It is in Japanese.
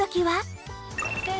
はい。